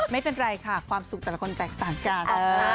ไม่เป็นไรค่ะความสุขแต่ละคนแตกต่างกัน